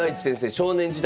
少年時代